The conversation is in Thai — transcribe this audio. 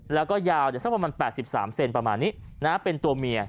แล้วก็ยาวสักประมาณ๘๓เซนประมาณนี้นะเป็นตัวเมีย